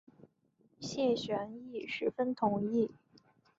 谢玄亦十分同意。